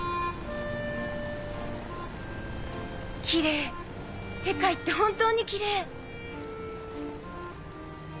きれい世界って本当にきれい。